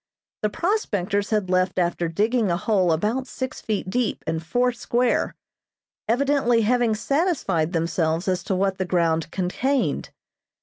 The prospectors had left after digging a hole about six feet deep and four square, evidently having satisfied themselves as to what the ground contained.